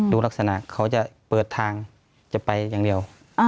ดูลักษณะเขาจะเปิดทางจะไปอย่างเดียว